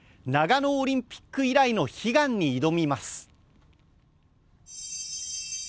長野オリンピック以来の悲願に挑みます。